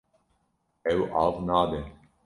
Ew av nade.